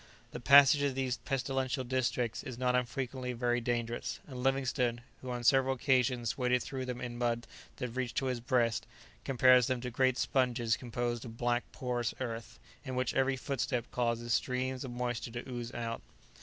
The passage of these pestilential districts is not unfrequently very dangerous, and Livingstone, who on several occasions waded through them in mud that reached to his breast, compares them to great sponges composed of black porous earth, in which every footstep causes streams of moisture to ooze out.